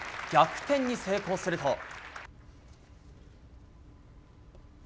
逆転に成功すると。